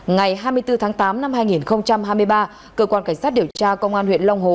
ngày hai mươi bốn tháng tám năm hai nghìn hai mươi ba cơ quan cảnh sát điều tra công an huyện long hồ